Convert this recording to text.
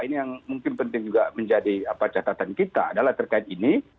ini yang mungkin penting juga menjadi catatan kita adalah terkait ini